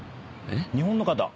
日本の方？